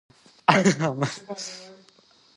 احمد د زړه زور لري، چې په بوډا توب کې د ځوانۍ کارونه کوي.